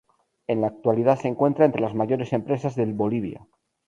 En la actualidad se encuentra entre las mayores empresas del Bolivia.